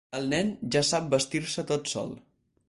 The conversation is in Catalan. El nen ja sap vestir-se tot sol.